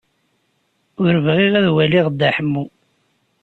Ur bɣiɣ ad waliɣ Dda Ḥemmu.